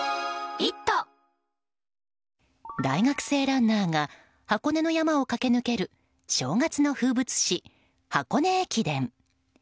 大学生ランナーが箱根の山を駆け抜ける正月の風物詩、箱根駅伝。